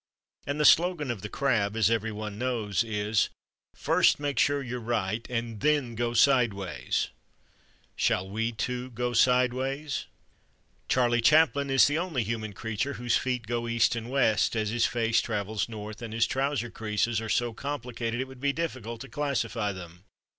And the slogan of the Crab (as everyone knows) is, "First make sure you're right and then go sideways." Shall we too go sideways? Charlie Chaplin is the only human creature whose feet go East and West as his face travels North and his trouser creases are so complicated it would be difficult to classify them.